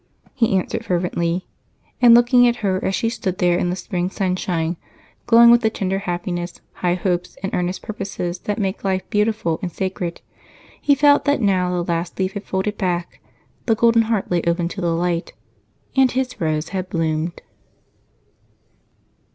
he answered fervently and, looking at her as she stood there in the spring sunshine, glowing with the tender happiness, high hopes, and earnest purposes that make life beautiful and sacred, he felt that now the last leaf had folded back, the golden heart lay open to the light, and his Rose had bloomed.